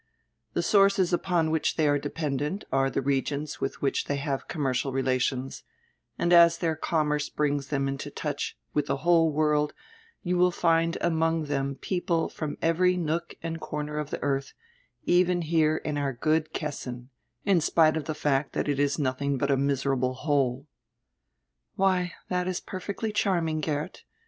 The sources upon which diey are dependent are die regions widi which diey have commercial relations, and as dieir commerce brings diem into touch widi die whole world you will find among diem people from every nook and corner of die eardi, even here in our good Kessin, in spite of die fact diat it is notiiing but a miserable hole." "Why, diat is perfecdy charming, Geert.